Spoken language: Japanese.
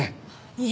いえ。